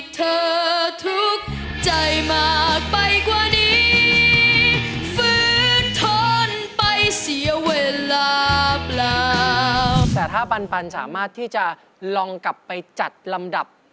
แต่ถ้าปันสามารถที่จะลองกลับไปจัดลำดับ